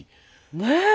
ねえ！